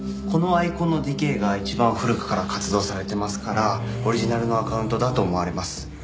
このアイコンのディケーが一番古くから活動されてますからオリジナルのアカウントだと思われます。